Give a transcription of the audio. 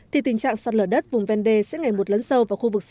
thì tình trạng sạt lở đất vùng vèn đê sẽ ngày một lớn sâu vào khu vực sinh thống